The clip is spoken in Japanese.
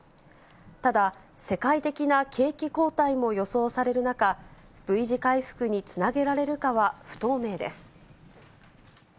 ただ、世界的な景気後退も予想される中、Ｖ字回復につなげられるかは不透明です。